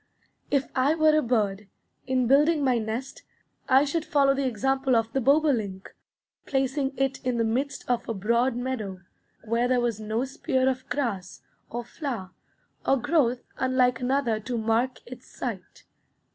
If I were a bird, in building my nest I should follow the example of the bobolink, placing it in the midst of a broad meadow, where there was no spear of grass, or flower, or growth unlike another to mark its site.